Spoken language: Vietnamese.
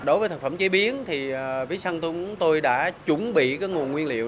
đối với thực phẩm chế biến thì vĩnh săn tôi đã chuẩn bị cái nguồn nguyên liệu